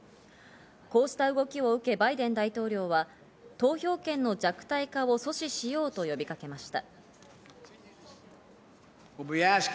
こうした動きを受けバイデン大統領は、投票権の弱体化を阻止しようと呼びかけました。